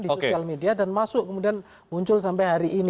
di sosial media dan masuk kemudian muncul sampai hari ini